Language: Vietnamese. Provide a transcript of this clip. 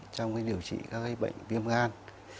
trong điều trị các bệnh viêm gan